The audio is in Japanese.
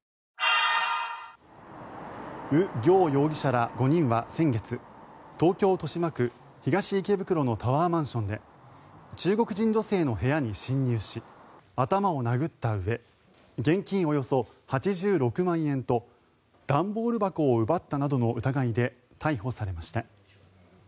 ウ・ギョウ容疑者ら５人は先月東京・豊島区東池袋のタワーマンションで中国人女性の部屋に侵入し頭を殴ったうえ現金およそ８６万円と段ボール箱を奪ったなどの疑いで逮捕されました。